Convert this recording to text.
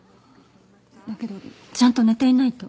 だけどちゃんと寝ていないと。